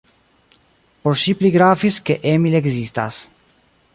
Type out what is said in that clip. Por ŝi pli gravis, ke Emil ekzistas.